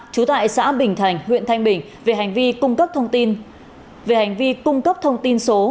trú tại xã bình thành huyện thanh bình về hành vi cung cấp thông tin số